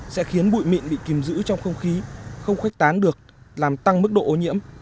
sẽ khiến bụi mịn bị kìm giữ trong không khí không khuếch tán được làm tăng mức độ ô nhiễm